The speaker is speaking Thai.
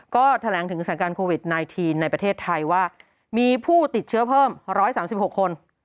ก็แถลงถึงสถานการณ์โควิดไนทีนในประเทศไทยว่ามีผู้ติดเชื้อเพิ่มร้อยสามสิบหกคน